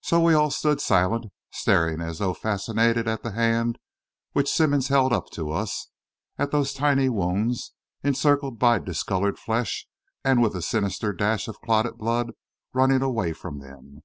So we all stood silent, staring as though fascinated at the hand which Simmonds held up to us; at those tiny wounds, encircled by discoloured flesh and with a sinister dash of clotted blood running away from them.